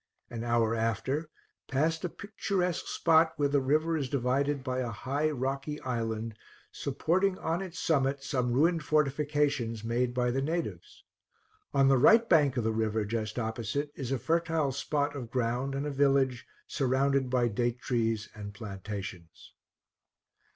An hour after, passed a picturesque spot, where the river is divided by a high rocky island, supporting on its summit some ruined fortifications made by the natives; on the right bank of the river, just opposite, is a fertile spot of ground and a village, surrounded by date trees and plantations.